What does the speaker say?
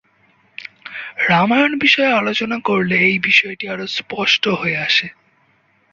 রামায়ণ বিষয়ে আলোচনা করলে এই বিষয়টি আরো স্পষ্ট হয়ে আসে।